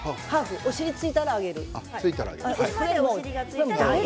お尻がついたら上げる。